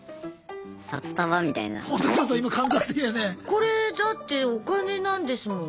これだってお金なんですもの。